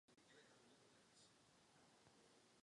Markéta tak opouští Barona i celé připravované obrovské turné.